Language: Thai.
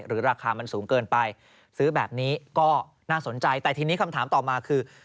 ราคามันสูงเกินไปซื้อแบบนี้ก็น่าสนใจแต่ทีนี้คำถามต่อมาคือ